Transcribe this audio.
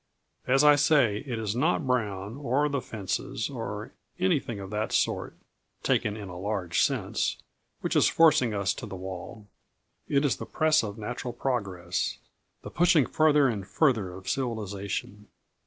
As I say, it is not Brown, or the fences, or anything of that sort taken in a large sense which is forcing us to the wall. It is the press of natural progress, the pushing farther and farther of civilization.